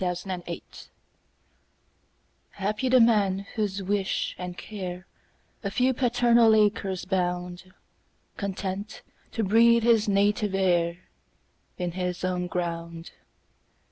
Y Z Solitude HAPPY the man, whose wish and care A few paternal acres bound, Content to breathe his native air In his own ground.